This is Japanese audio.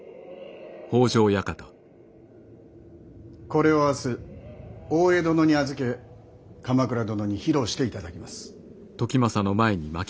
これを明日大江殿に預け鎌倉殿に披露していただきます。